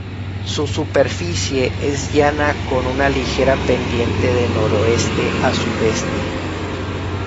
Su superficie es llana con una ligera pendiente de noroeste a sudeste.